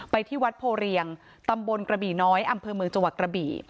ที่วัดโพเรียงตำบลกระบี่น้อยอำเภอเมืองจังหวัดกระบี่